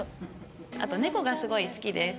あと猫がすごい好きです。